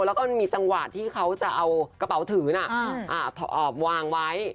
แล้วก็มันมีจังหวะที่เขาจะเอากระเป๋าถือวางไว้